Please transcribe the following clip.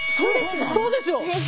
⁉そうでしょ！